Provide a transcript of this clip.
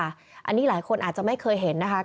อันนี้หลายคนอาจจะไม่เคยเห็นนะคะ